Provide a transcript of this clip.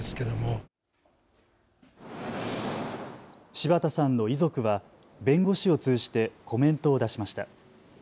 柴田さんの遺族は弁護士を通じてコメントを出しました。